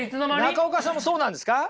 中岡さんもそうなんですか？